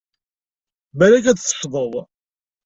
Balak ad teccḍeḍ!